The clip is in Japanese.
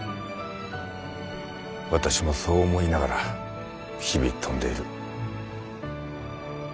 私もそう思いながら日々飛んでいる。